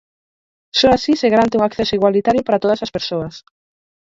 Só así se garante un acceso igualitario para todas as persoas.